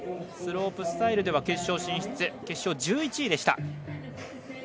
スロープスタイルでは決勝進出、決勝１１位でした。